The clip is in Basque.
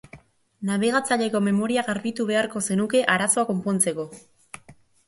Nabigatzaileko memoria garbitu beharko zenuke arazoa konpontzeko.